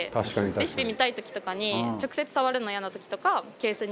レシピ見たい時とかに直接触るのイヤな時とかケースに入れて。